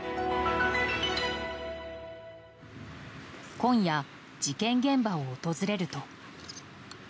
今夜、事件現場を訪れると。